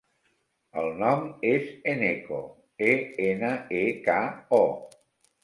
El nom és Eneko: e, ena, e, ca, o.